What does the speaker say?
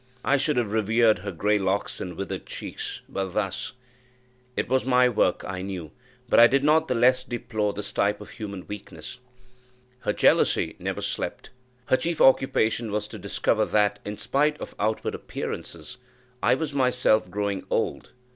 I should have revered her grey locks and withered cheeks; but thus! It was my work, I knew; but I did not the less deplore this type of human weakness. Her jealously never slept. Her chief occupation was to discover that, in spite of outward appearances, I was myself growing old.